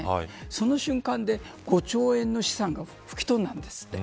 その瞬間で５兆円の資産が吹き飛んだんです。